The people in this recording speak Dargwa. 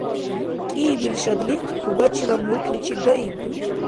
КӀиибил шадлихъ Кубачила мулкличиб даимбиуб.